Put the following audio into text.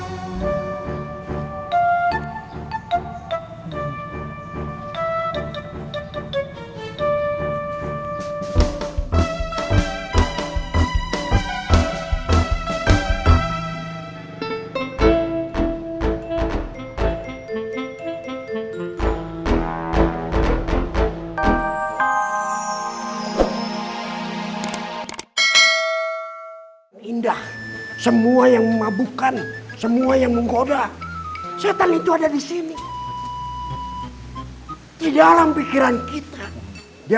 indah semua yang memabukkan semua yang menggoda setan itu ada di sini di dalam pikiran kita dia